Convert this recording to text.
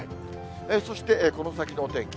そしてこの先のお天気。